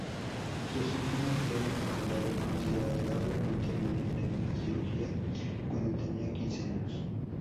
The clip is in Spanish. Sus síntomas fueron mejorados considerablemente mediante una cirugía cuando tenía quince años.